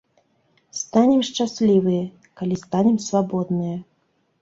Станем шчаслівыя, калі станем свабодныя.